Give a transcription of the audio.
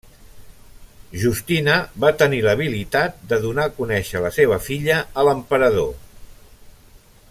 Justina va tenir l'habilitat de donar a conèixer la seva filla a l'emperador.